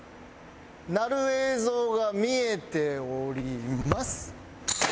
鳴る映像が見えております。